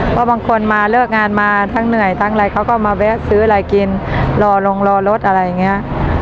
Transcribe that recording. เพราะบางคนมาเลิกงานมาทั้งเหนื่อยทั้งอะไรเขาก็มาแวะซื้ออะไรกินรอลงรอรถอะไรอย่างนี้